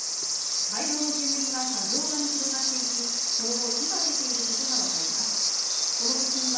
大量の煙が作業場に広がっていき、その後、火が出ていることが分かります。